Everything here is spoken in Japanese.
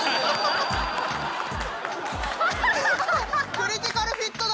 クリティカルフィットだ！